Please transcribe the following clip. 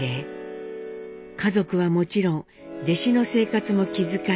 家族はもちろん弟子の生活も気遣い